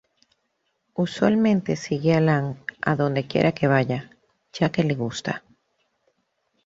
Usualmente sigue a Lan a donde quiera que vaya, ya que le gusta.